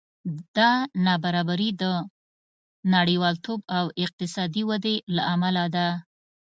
دا نابرابري د نړیوالتوب او اقتصادي ودې له امله ده